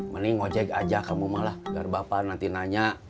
mending ngajak aja kamu mah lah biar bapak nanti nanya